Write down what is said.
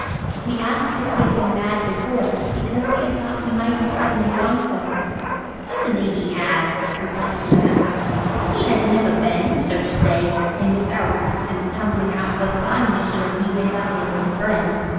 We asked if he had been mad before, because we had thought he might have suddenly gone so. "Certainly he has!" replied the man; "he has never been, so to say, himself since tumbling out of a flying machine he went up in with a friend.